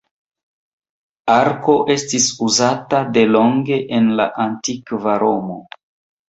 Arko estis uzata delonge en la Antikva Romo.